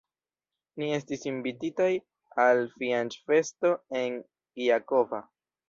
Ni estis invititaj al fianĉfesto en Gjakova.